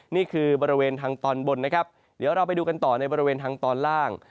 นี่คือบริเวณทางตอนบนนะครับเดี๋ยวเราไปดูกันต่อในบริเวณทางตอนล่าง